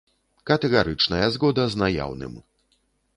Катэгарычная згода з наяўным.